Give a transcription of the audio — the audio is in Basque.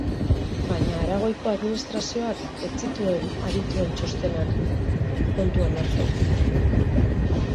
Baina Aragoiko Administrazioak ez zituen adituen txostenak kontuan hartu.